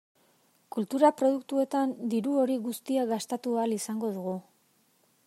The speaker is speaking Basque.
Kultura produktuetan diru hori guztia gastatu ahal izango dugu.